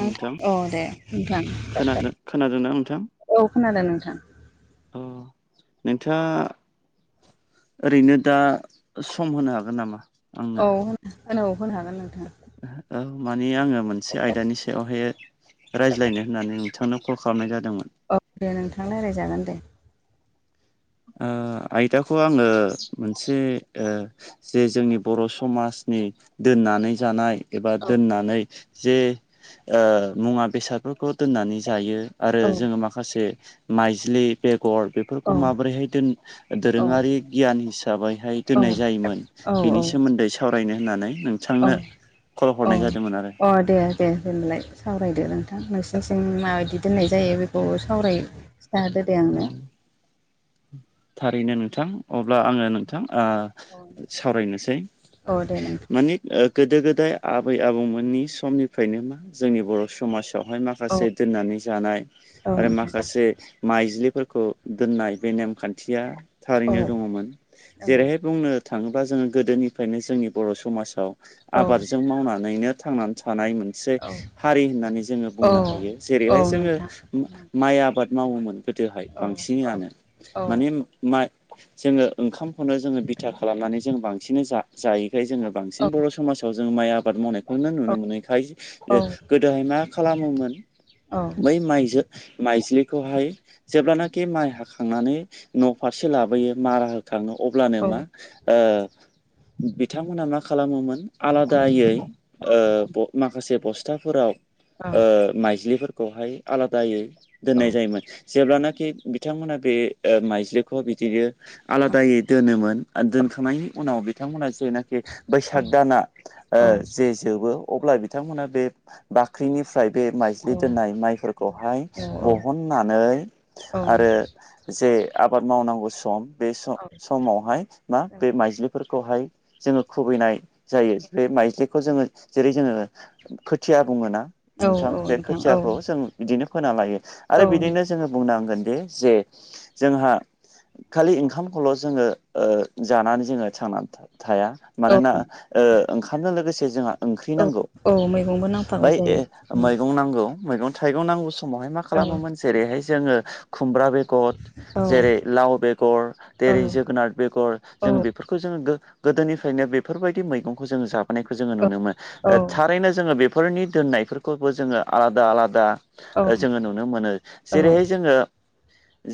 नोंथां औ दे नोंथां खोनादों खोनादोंना नोंथां। औ खोनादों नोंथां अ' नोंथाङा ओरैनो दा सम होनो हागोन नामा? औ आंनो होन होनो हागोन नोंथा। औ मानि आङो मोनसे आयदानि बेवहाय रायज्लायनो होननानै नोंथांनो कल खालामनाय जादोंमोन। औ दे नोंथां रायलाय जागोन दे। ओ आयदाखौ आङो मोनसे ओ जे जोंनि बर' समाजनि दोननानै जानाय एबा औ दोननानै जे ओ मुवा बेसादफोरखौ दोननानै जायो। आरो औ जोङो माखासे माइज्लि बेगर औ बेफोरखौ माब औ दोरोंङारि गियान हिसाबैहाय दोननाय जायोमोन बेनि सोमोन्दै सावरायनो होननानै नों अ 'अ 'अ' दे। दे दोनलाय सावरायदो नोंथां नोंसिनिथिं माबायदि दोननाय जायो बेखौ सावराय खिथाहरदो दे औ आंनो। थारैनो नोंथां अब्ला आङो नोंथां ओ सावरायनोसै औ दे नोंथां मानि ओ गोदो -गोदाय आबै आबौमोननि समनिफ्रायनो मा जोंनि बर' समाजावहाय मा औ माखासे दोननानै जानाय औ आरो नोंथां माखासे माइज्लिफोरखौ दोननाय बे नेमखान्थिया औ थारैनो दङमोन जेरैहाय बुंनो थाङोब्ला जोङो गोदोनिफ्रायनो जोंनि बर' समाजाव औ आबादजों मावनानैनो थांनानै थानाय मोन मोनसे औ हारि होननानै जोङो औ बुंनो हायो औ जेरैहाय जोङो नोंथां माइ आबाद मावोमोन। गोदोहाय औ औ बांसिनआनो औ माने [unintelligible] जोङो ओंखामखौनो जोङो बिथा खालामनानै जों बांसिनै जा जायैखाय जोङो बांसिन बर' समाजाव जों माइ आबाद मावनायखौनो नुनो मोनैखाय गोदोहाय मा खालामोमोन औ बै माइजो माइज्लिखौहाय जेब्लानाखि माइ हाखांनानै न' फारसे लाबोयो मारा हो खाङो अब्लानो मा ओ बिथांमोना मा खालामोमोन औ आलादायै ओ माखासे बस्थाफोराव औ ओ माइज्लिफोरखौहाय आलादायै औ दोननाय जायोमोन। जेब्लानाखि बिथांमोना बे ओ माइज्लिखौ बिदिनो आलादायै दोनोमोन आरो दोनखांनायनि उनाव बिथांमोना जेना बैसाग दाना ओ जे जोबो अब्ला बिथांमोना बे बाख्रिनिफ्राय बे माइ माइज्लि दोननाय माइफोरखोहाय औ बहननानै औ आरो जे आबाद मावनांगौ सम बे सम समावहाय मा बे माइज्लिफोरखौहाय जोङो खुबैनाय जायो बे माइज्लिखौ जोङो जेरै जोङो खोथिया बुङोना नोंथां बे खोथियाखौ जों बिदिनो खोना लायो औ आरो बिदिनो जोङो बुंनांगोन दि जे जोंहा खालि ओंखामखौल' जोङो जानानै जोङो थांनानै थाब थाया औ मानोना ओ ओंखामनो लोगोसे जोंहा ओंख्रि औ नांगौ औ मैगंबो नांफागौ बाय जायो मैगं नांगौ मैगं थाइगं नांगौ समावहाय मा औ खालामोमोन जेरैहाय जोङो खुमब्रा बेद गर औ जेरै लाव बेगर औ जेरै जोगोनार बेगर औ जों बे बेफोरखौ जोङो गोदोनिफ्रायनो बेफोरबायदि मैगंखौ जोङो जाबोनायखौ जोङो नुनो मोन औ थारैनो जोङो बेफोरनि दोननायफोरखौबो जोङो आलादा आलादा औ जोङो नुनो मोनो। जेरैहाय जों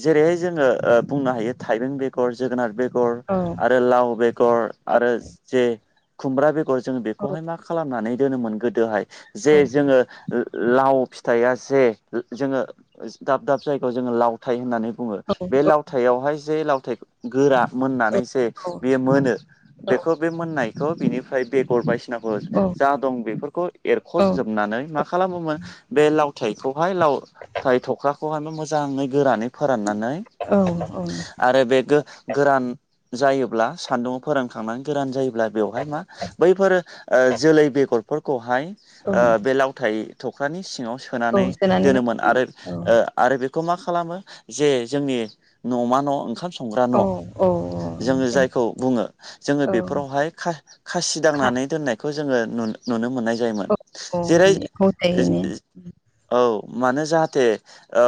जेरैहाय जोङो बुंनो हायो थाइबें बेगर जोगोनार बेग बेगर आरो लाव बेगर आरो जे खुमब्रा बेगर जोङो बेखौहाय मा खालामनानै दोनोमोन गोदोहाय जे जोङो लाव फिथाइया जे जोङो दाब दाब जायगायाव जोङो लावथाय होननानै बुङो बे लाव लावथायावहाय जे लावथाय गोरा मोननानै जे बेयो मोनो बेखौ बे मोननाय थ बिनिफ्राय बेगर बायसिनाफोर जा दं बेफोरखौ एरख'जोबनानै मा खालामोमोन बे लावथखौहाय लावथ थख्राखौहाय मोजाङै गोरानै फोराननानै आरो बे गो गोरान जायोब्ला सान्दुङाव फोरोंखांनानै गोरान जायो अब्ला बेवहाय मा बैफोर जोलै बेगरफोरखौहाय ओ बे लावथाय थख्रानि सिङाव सोनानै दोनोमोन आरो आरो बेखौ मा खालामो जे जोंनि न'मा न' ओंखाम स संग्रा औ न' औ जोङो जायखौ बुङो जोङो बेफोरावहाय खासि औ दांनानै औ दोननायखौ जोङो नुनो मोननाय जायोमोन। औ जेरै माने एम्फौ जायैनि औ मानो जाहाथे ओ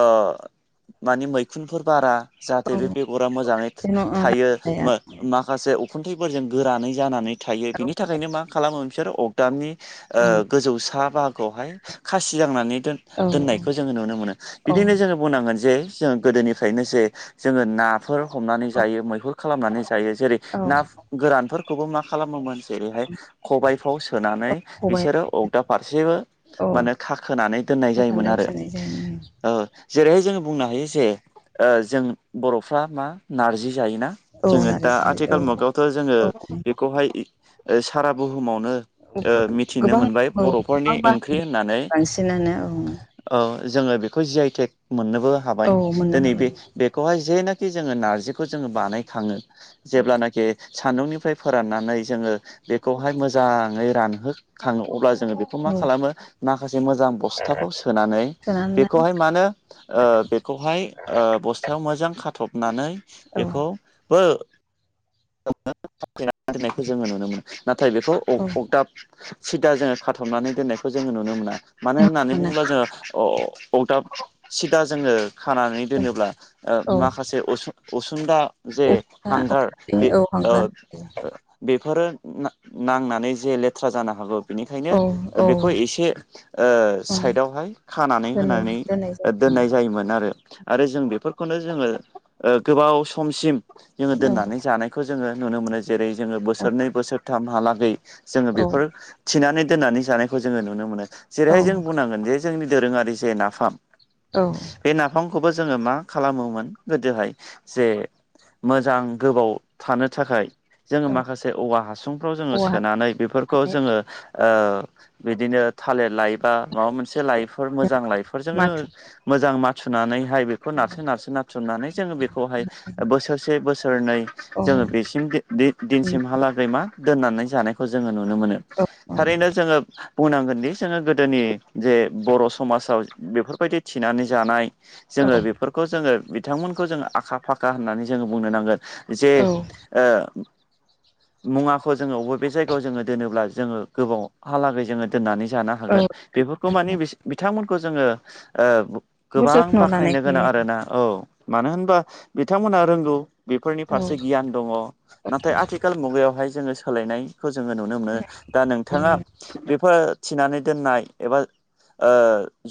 मानि मैखुनफोर बारा जाहाथे औ बे बेगरा मोजाङै जेन' थायो जाया मो माखासे उखुथैफोरजों गोरानै जानानै थायो औ बिनि थाखायनो मा खालामो बिसोरो दामनि औ गोजौसा बाहागोआवहाय खासि जांनानै दोन औ दोननायखौ जोङो नुनो औ बिदिनो जोङो बुंनांगोन जे जों गोदोनिफ्रायनो जे जोङो ना फोर हमनानै औ जायो मैहुर खालामनानै जायो जेरै औ ना गोरानफोरखौबो मा खालामोमोन जेरैहाय खबाइफ्राव सोनानै औ खबाइआ बिसोरो अरदाब फारसेबो औ माने खाखोनानै दोननाय खारखान्दा जायोमोन आरो। [unintelligible] ओ जेरैहाय जोङो बुंनो हायो जे जों बर'फ्रा मा नारजि जायोना? औ जोङो दा नारजि औ आथिखाल मुगायावथ' जोङो औ बेखौहाय सारा बुहुमावनो ओ बहुद मिथिनो गोबां मोनबाय औ बर'फोरनि गोबां ओंख्रि बाहायो होननानै बांसिनानो औ औ जोङो बेखौ जि आइटेक मोननोबो हाबाय औ मोननो दिनै हागौ बे बेखौहाय जेनोखि जोङो नारजिखौ जोङो बानायखाङो जेब्लानाखि सान्दुंनिफ्राय फोराननानै जोङो बेखौहाय मोजाङै रानहोखाङो अब्ला जोङो बे खौ मा औ खालामो माखासे मोजां बस्थाफ्राव सोनानै सोनानै बेखौहाय मानो ओ बेखौहाय ओ बस्थायाव मोजां खाथ'बनानै औ बेखौबो [unintelligible] नायखौ जोङो नुनो मोनो नाथाय बेखौ औ अगदाब सिदा जोङो खाथबनानै दोननायखौ जोङो नुनो मोना मानो होननानै मोना बुङोब्ला जोङो अ अरदाब सिदा जोङो खानानै दोनोब्ला औ माखासे अस असुंदा जे हांगार बे औ ओ हांगार बेफोरो नांनानै जे लेथ्रा जानो हागौ बेनिखायनो औ औ बेखौ एसे ओ माने साइदावहाय खानानै दोनै होनानै दोननाय दोननाय जायो जायोमोन आरो। आरो जों बेफोरखौनो जोङो गोबाव समसिम जोङो दोननानै जानाय खौ जोङो नुनो मोनो जेरै जोङो औ बोसोरनै बोसोरथामहालागै जोङो औ बेफोर थिनानै दोननानै जानायखौ जोङो नुनो मोनो औ जेरैहाय जों बुंनांगोन जे जोंनि दोरोङारि जे नाफाम औ बे नाफामखौबो जोङो मा खालामोमोन गोदोहाय जे मोजां गोबाव थानो थाखाय जोङो औ माखासे औवा हासुंफ्राव जोङो औवा सोनानै बेफोरखौ जोङो ओ बिदिनो थालिर लाइ बा माबा मोनसे लाइफोर मोजां लाइफोरजोंनो माथु मोजां माथुनानै थाय बेखौ नारसो नारसो नारथुमनानै जोङो बेखौहाय बोसोरसे बोसोरनै जोङो औ बेसिम औ दिन-दिनसिमहालागै मा दोननानै जानाय खौ जोङो नुनो मोनो औ औ थारैनो जोङो बुंनांगोनदि जोङो गोदोनि जे बर' समाजाव बेफोरबायदि थिनानै जानाय जोङो बेफोरखौ जोङो बिथांमोनखौ जोङो आखा फाखा होननानै जोङो बुंनो नांगोन जे औ ओ मुवाखौ जोङो बबे जायगायाव जोङो दोनोब्ला जोङो गोबाव हालागै जोङो दोननानै जानो औ हागोन बेफोरखौ मानि बिथांमोनखौ जोङो बहुद गोबां जोथोन' बाख्नायनो लानायखौ गोनां नुयो आरोना औ मानो होनबा बिथांमोना रोंगौ बेफोरनि औ फारसे गियान दङ नाथाय अ आथिखाल मुगायावहाय जोङो सोलायनायखौ जोङो नुनो मोनो दा नोंथाङा बेफोर थिनानै दोननाय एबा ओ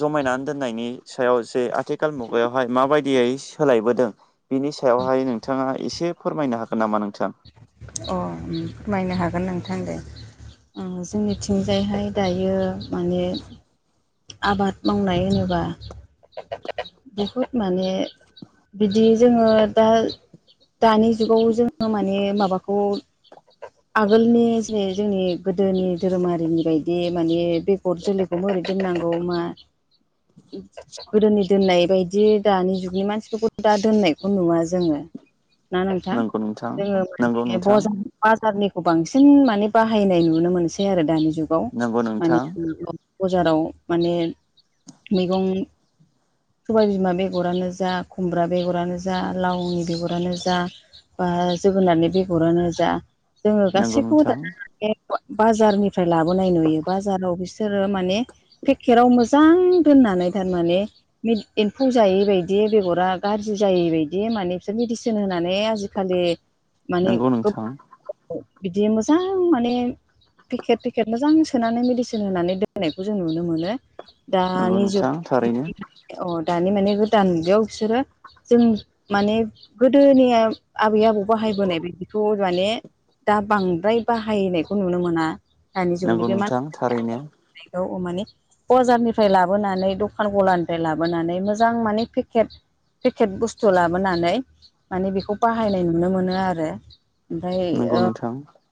जमायनानै दोननायनि सायाव जे आथिखाल मुगायावहाय माबायदियै सोलायबोदों बिनि सायावहाय नोंथाङा एसे फोरमायनो हागोन नामा नोंथां? अ फोरमायनो हागोन नोंथां दे। ओ जोंनिथिंजायहाय दायो माने आबाद मावनाय होनोबा बहुद माने बिदि जोङो दा दानि जुगाव जोङो माने माबाखौ आगोलनि जे जोंनि गोदोनि धोरोमारिनि बायदि माने बे बेगर जोलैखौ ओरै दोननांगौ मा गोदोनि दोननाय बायदि दानि जुगनि मानसिफोरखौ दा दोननायखौ नुवा जोङो ना नोंथां? नंगौ जोङो नंगौ [inaudible] नोंथां बजा बाजारनिखौ बांसिन माने बाहायनाय नुनो मोनसै आरो दानि जुगाव नंगौ माने नोंथां बजाराव माने मैगं सबाय बिमा बेगरानो जा खुमब्रा बेगरानो जा लावनि बेगरानो जा बा जोगोनारनि बेगरानो जा जोङो नंगौ गासैखौबो [inaudible] नोंथां माने बाजारनिफ्राय लाबोनाय नुयो बाजाराव बिसोरो माने पेकेराव मोजां दोननानै थारमाने एम्फौ जायै बायदि बेगरा गाज्रि जायै बायदि माने बिसोर मेडिसिन होनानै आजिखालि माने नंगौ नोंथां [inaudible] बिदि मोजां माने पेकेट पेकेट मोजां सोनानै मेडिसिन होनानै दोननायखौ जों नुनो मोनो। नंगौ दानि नोंथां जुग थारैनो अ दानि माने गोदान मुगायाव बिसोरो जों माने गोदोनिया आबै आबौ बाहायबोनाय बिदिखौ माने दा बांद्राय बाहायनायखौ नुनो मोना। दानि जुगनि नंगौ बे मानाद नोंथां थारैनो [inaudible] माने बजारनिफ्राय लाबोनानै दखान गलानिफ्राय लाबोनानै मोजां माने पेकेट पेकेट बुस्थु लाबोनानै मानि बेखौ बाहायनाय नु नुनो मोनो आरो ओमफ्राय ओ [unintelligible]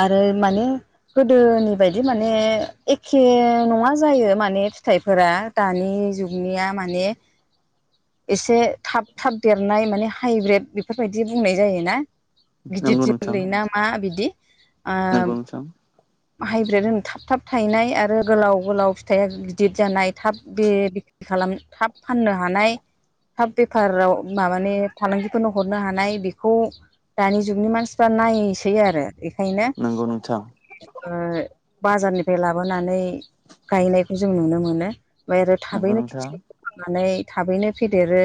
आरो माने गोदोनि बायदि माने एखे नङा जायो माने फिथाइफोरा दानि जुगनिया माने [inaudible] एसे थाब थाब देरनाय माने हाइब्रिद बेफोरबायदि बुंनाय जायोना गिदिर नंगौ नोंथां जोलैना मा बिदि नंगौ नोंथां हाइब्रिद होनो थाब थाब थायनाय आरो गोलाव गोलाव फिथाइया गिदिर जानाय थाब बे खालाम थाब फाननो हानाय। थाब बेफाराव मा माने फालांगिफोरनो हरनो हानाय बेखौ दानि जुगनि मानसिफ्रा नायोसै आरो बेखायनो नंगौ नोंथां बाजारनिफ्राय लाबोनानै गायनायखौ जों नुनो मोनो। ओमफ्राय आरो नंगौ थाबैनो नोंथां खिथि फाननानै थाबैनो फेदेरो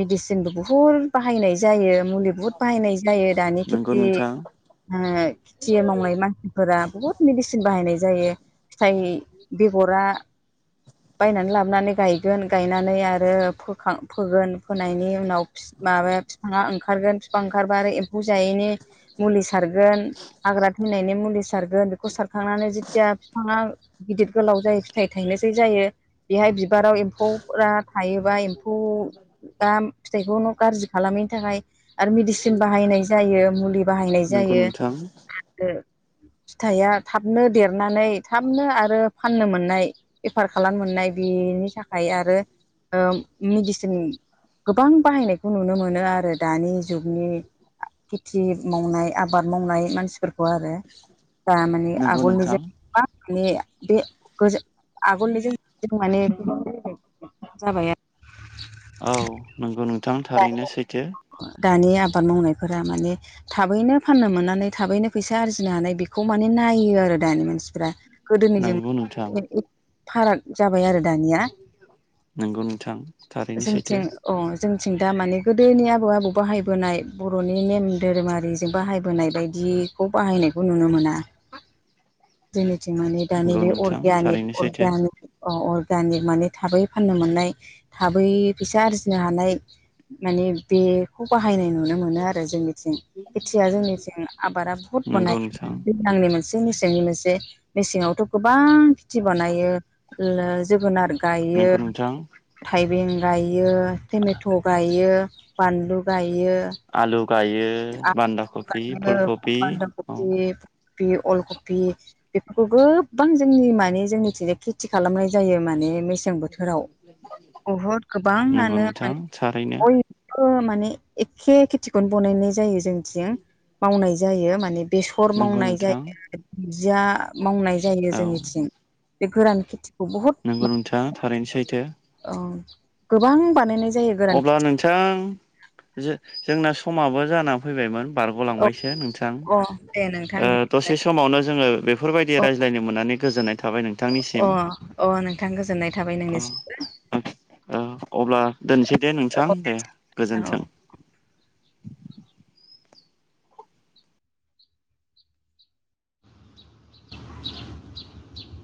मेदिसिनबो बुहुद बाहायनाय जायो मुलि बुहुद बाहायनाय जायो दानि नंगौ खिथि नोंथां खेथि मावनाय मानसिफोरा बुहुत मेडिसिन बाहायनाय जायो। फिथाइ बेगरा बायनानै लाबोनानै गायगोन गायनानै आरो फोखां फोगोन फोनायनि उनाव माबाया फिफाङा ओंखारगोन फिफां ओंखारबा आरो एम्फौ जायैनि मुलि सारगोन। हाग्रा थैनायनि मुलि सारगोन बेखौ सारखांनानै जेथिया बिफाङा गिदिर गोलाव जायो फिथाइ थायनोसै जायो बेहाय बिबाराव एमफौ फौफोरा थायोबा एम्फौ दा फिथाइखौ गाज्रि खालामैनि थाखाय आरो मेडिसिन बाहायनाय जायो मुलि बाहायनाय नंगौ जायो। नोंथां फिथाइया थाबनो देरनानै थाबनो आरो फाननो मोननाय बेफार खालाम मोननाय बेनि थाखाय आरो मेडिसिन गोबां बाहायनायखौ नुनो मोनो आरो दानि जुगनि खेथि मावनाय आबाद मावनाय मानसिफोरखौ आरो दा माने नंगौ नोंथां आगोलनिजों मा। माने बे आगोलनि जों माने गोबां जाबाय आरो औ नंगौ नोंथां आरो थारैनो सैथो दानि आबाद मावनायफोरा माने थाबैनो फाननो मोननानै थाबैनो फैसा आरजिनो हानाय बेखौ माने नायो आरो दानि मानसिफ्रा। गोदोनिजों नंगौ नोंथां फाराग जाबाय आरो दानिया नंगौ नोंथां थारैनो सैथो जोंथिं औ जों दा माने गोदोनि आबौ आबौ बाहायबोनाय बर'नि नेम दोरोङारिजों बाहायबोनाय बायदि खौ बाहायनायखौ नुनो मोना। [inaudible] जोंनिथिं माने दानि नंगौ बे नोंथां अर्गेयानिक थारैनो सैथो अरगानिक अ अ दाने माने थाबै फाननो मोननाय थाबै फैसा आरजिनो हानाय माने बेखौ बाहायनाय नुनो मोनो आरो जोंनिथिं खेथिया जोंनिथिं आबादा बहुत नंगौ बानाय नोंथां दैलांनि मोनसे मेसेंनि मोनसे मेसेङावथ' गोबां खेथि बानायो। जोगोनार गायो नंगौ नोंथां थाइबें गायो टेमेट' थ' गायो बानलु गायो। आलु गायो आलु बान्दा कबि, फुल कबि औ। कपि अल कपि। बेफोरखौ गोबां जोंनि मानि जोंनिथिं जाय खेथि खालामनाय जायो माने मेसें बो बोथोराव बहुद नंगौ गोबाङानो नोंथां थारैनो माने। माने एखे खेथिखौनो बनायनाय जायो जोंथिं मावनाय जायो माने बेसर नंगौ मावनाय नोंथां जायो दुुनदिया मावनाय जायो औ जोंनिथिं। बे गोरान खेथिखौ बहुत नंगौ नोंथां थारैनो सैथो औ गोबां बानायनाय जायो। गोरान अब्ला खेथि नोंथां जो-जोंना समाबो जाना फैबायमोन औ बारगलांबायसो नोंथां अ दे नोंथां ओ बिदिबालाय दसे समावनो जोङो बे बेफोरबायदि अ रायज्लायनो मोननानै गोजोननाय थाबाय नोंथांनिसिम अ अ नोंथां गोजोननाय थाबाय अ। नोंनिसिम अ अब्ला दोनसै दे औ नोंथां दे नोंथां औ गोजोन्थों। [inaudible]